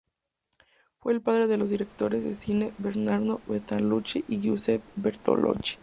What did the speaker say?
Fue el padre de los directores de cine Bernardo Bertolucci y Giuseppe Bertolucci.